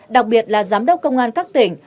đặc biệt là giám đốc công an các tỉnh